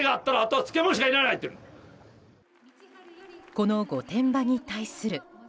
この御殿場に対する。